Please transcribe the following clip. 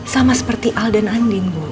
sama seperti al dan andin